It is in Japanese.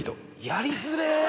やりづれえ漫才。